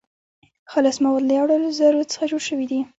خالص مواد له يو ډول ذرو څخه جوړ سوي دي .